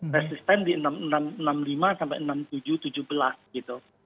resisten di enam puluh lima sampai enam puluh tujuh tujuh belas gitu